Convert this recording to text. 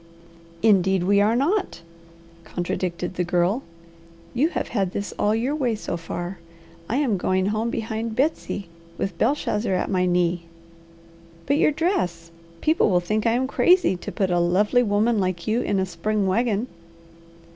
"Indeed we are not!" contradicted the Girl. "You have had this all your way so far. I am going home behind Betsy, with Belshazzar at my knee." "But your dress! People will think I am crazy to put a lovely woman like you in a spring wagon."